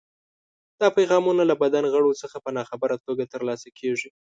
دا پیغامونه له بدن غړو څخه په ناخبره توګه ترلاسه کېږي.